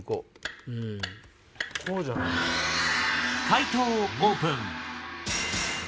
解答をオープン。